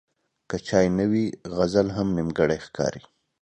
که چای نه وي، غزل هم نیمګړی ښکاري.